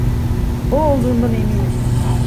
O olduğundan eminim.